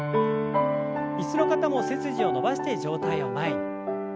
椅子の方も背筋を伸ばして上体を前に。